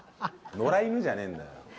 野良犬じゃねぇんだよ。